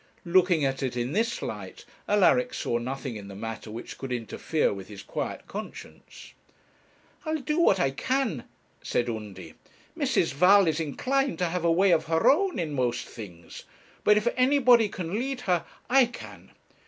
Looking at it in this light, Alaric saw nothing in the matter which could interfere with his quiet conscience. 'I'll do what I can,' said Undy. 'Mrs. Val is inclined to have a way of her own in most things; but if anybody can lead her, I can.